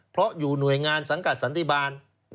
เพราะอยู่หน่วยงานสังกัดสันติบาล